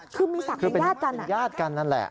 คือมีสัตว์เป็นญาติกันนั่นแหละ